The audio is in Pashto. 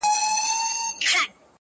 o چي نه دي وينم، اخير به مي هېر سى٫